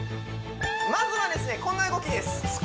まずはですねこんな動きです